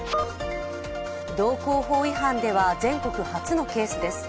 道交法違反では全国初のケースです。